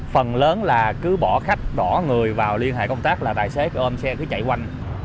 phần lớn là cứ bỏ khách đỏ người vào liên hệ công tác là đại sế ôm xe cứ chạy quanh